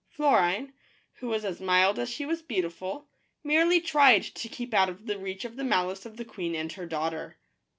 Florine, who was as mild as she was beautiful, merely tried to keep out of the reach of the malice of the queen and her daughter.